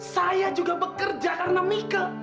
saya juga bekerja karena mike